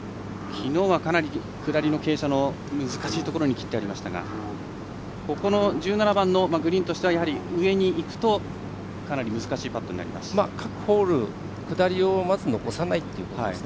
きのうはかなり下りの傾斜の難しいところにきってありましたがここの１７番のグリーンとしては上にいくとかなり難しいパットになります。